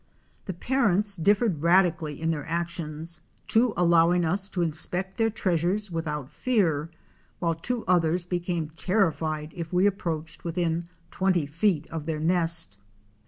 The parents differed radically in their actions; two allowing us to inspect their treasures without fear, while two others became terrified if we approached within twenty feet of their nest.